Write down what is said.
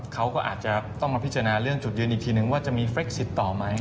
เขาก็อาจจะต้องมาพิจารณาเรื่องจุดยืนอีกทีนึงว่าจะมีเฟรกสิทธิ์ต่อไหม